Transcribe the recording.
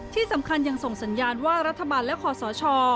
ที่สำคัญยังส่งสัญญาณว่ารัฐบาลและคอสช